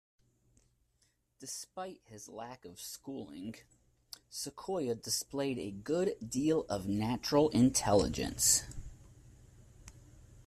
Despite his lack of schooling, Sequoyah displayed a good deal of natural intelligence.